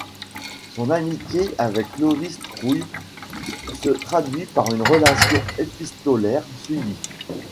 Son amitié avec Clovis Trouille se traduit par une relation épistolaire suivie.